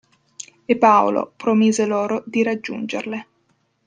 E Paolo promise loro di raggiungerle.